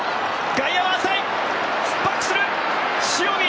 外野は浅い！